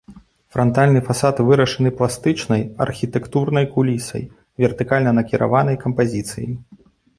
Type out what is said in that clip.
Франтальны фасад вырашаны пластычнай архітэктурнай кулісай вертыкальна накіраванай кампазіцыяй.